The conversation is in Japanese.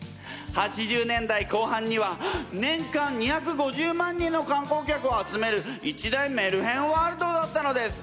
８０年代後半には年間２５０万人の観光客を集める一大メルヘンワールドだったのです。